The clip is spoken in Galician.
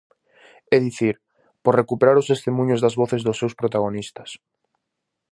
É dicir, por recuperar os testemuños das voces dos seus protagonistas.